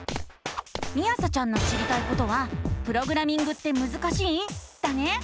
みあさちゃんの知りたいことは「プログラミングってむずかしい⁉」だね！